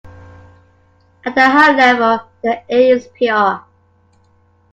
At that high level the air is pure.